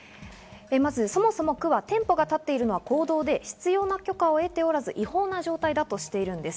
そもそも区は店舗がたっているのは公道で、必要な許可を得ておらず違法な状態だとしているんです。